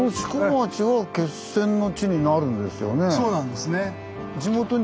そうなんですね。